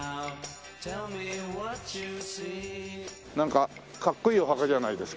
なんかかっこいいお墓じゃないですか？